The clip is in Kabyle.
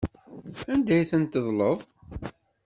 Anda ay ten-tedleḍ?